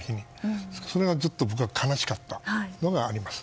それがずっと僕は悲しかったのがあります。